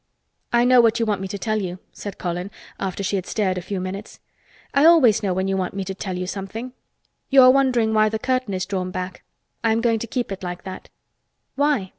"I know what you want me to tell you," said Colin, after she had stared a few minutes. "I always know when you want me to tell you something. You are wondering why the curtain is drawn back. I am going to keep it like that." "Why?"